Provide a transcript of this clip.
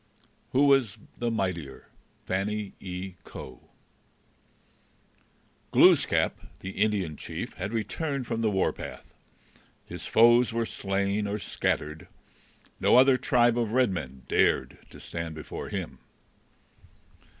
Who was the Mightier? FANNY E. COE Glooskap, the Indian chief, had returned from the warpath. His foes were slain or scattered. No other tribe of red men dared to stand before him.